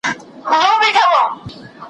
راځه دا ساغر په دغه تمه جگ کړو.